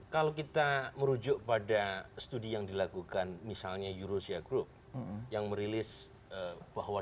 kalau kita merujuk pada studi yang dilakukan misalnya eurosia group yang merilis bahwa